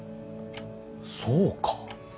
そうか！